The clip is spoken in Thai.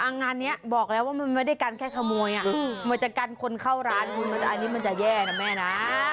งานนี้บอกแล้วว่ามันไม่ได้กันแค่ขโมยอ่ะมันจะกันคนเข้าร้านคุณอันนี้มันจะแย่นะแม่นะ